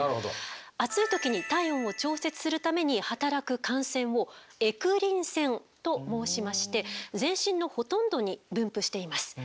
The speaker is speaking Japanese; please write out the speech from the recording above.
暑い時に体温を調節するために働く汗腺をエクリン腺と申しまして全身のほとんどに分布しています。